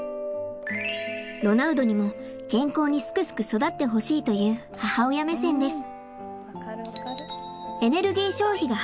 ロナウドにも健康にすくすく育ってほしいという母親目線です。